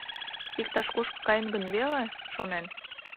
«Иктаж кушко каен гын веле?» — шонен.